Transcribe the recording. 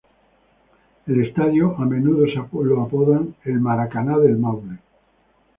El estadio es a menudo, apodado "el Maracaná del Maule".